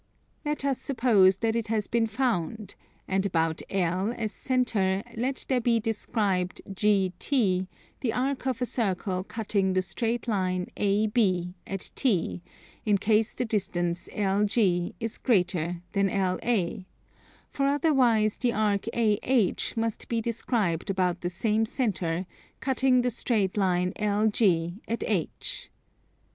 Let us suppose that it has been found: and about L as centre let there be described GT, the arc of a circle cutting the straight line AB at T, in case the distance LG is greater than LA; for otherwise the arc AH must be described about the same centre, cutting the straight line LG at H.